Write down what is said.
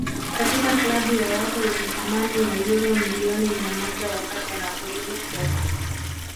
katika klabu ya watu wenye thamani ya uro milioni mia moja wakati anaporudi kutoka